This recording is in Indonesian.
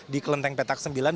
di kelenteng petak sembilan